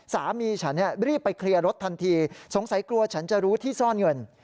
สามีฉันรีบไปเคลียร์รถทันทีสงสัยกลัวฉันจะรู้ที่ซ่อนเงิน